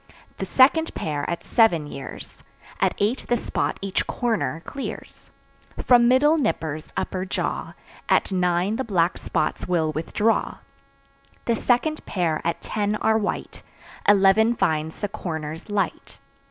The second pair at seven years; At eight the spot each "corner" clears. From middle "nippers" upper jaw, At nine the black spots will withdraw. The second pair at ten are white; Eleven finds the "corners" light.